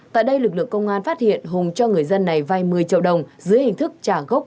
tại đây lực lượng công an phát hiện hùng cho người dân này vay một mươi triệu đồng dưới hình thức trả gốc